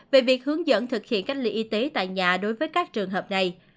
về việc hướng dẫn thực hiện cách ly y tế tại nhà đối với các trường hợp này